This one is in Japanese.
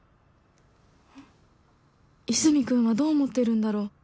和泉君はどう思ってるんだろう？